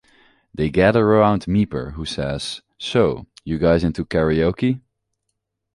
They gather around Meeper, who says, So... You guys into Karaoke?